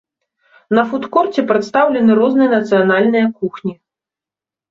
На фуд-корце прадстаўлены розныя нацыянальныя кухні.